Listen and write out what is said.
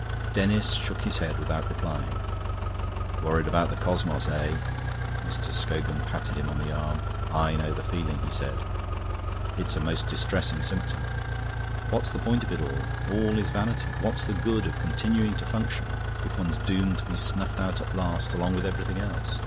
Denis shook his head without replying. "Worried about the cosmos, eh?" Mr. Scogan patted him on the arm. "I know the feeling," he said. "It's a most distressing symptom. 'What's the point of it all? All is vanity. What's the good of continuing to function if one's doomed to be snuffed out at last along with everything else?